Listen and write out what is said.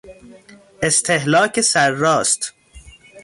استهلاک سرراست